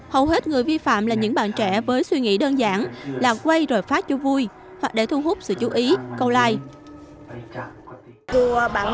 hầu hết người vi phạm là những bạn trẻ với suy nghĩ đơn giản làm quay rồi phát chu vui hoặc để thu hút sự chú ý câu like